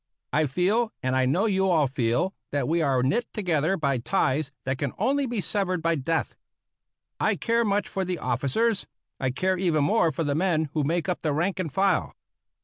I feel, and I know you all feel, that we are knit together by ties that can only be severed by death. I care much for the officers; I care even more for the men who make up the rank and file.